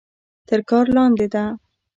تر کار لاندې ده.